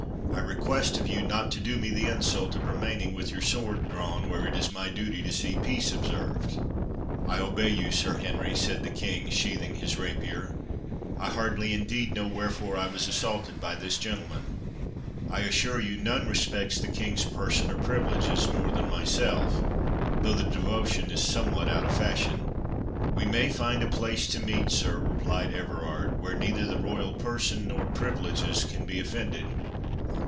I request of you not to do me the insult of remaining with your sword drawn, where it is my duty to see peace observed." "I obey you, Sir Henry," said the King, sheathing his rapier—"I hardly indeed know wherefore I was assaulted by this gentleman. I assure you, none respects the King's person or privileges more than myself—though the devotion is somewhat out of fashion." "We may find a place to meet, sir," replied Everard, "where neither the royal person nor privileges can be offended."